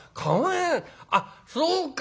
「あっそうか。